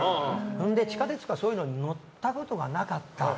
地下鉄とか、そういうのに乗ったことがなかった。